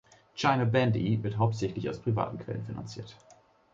China Bandy wird hauptsächlich aus privaten Quellen finanziert.